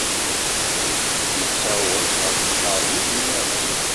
Ittaweḍ ɣer tqernit-nniḍen.